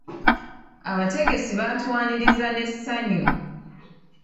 Abategesi baatwaniriza n'essanyu.